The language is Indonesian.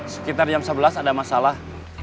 sekitar jam sebelas ada masalah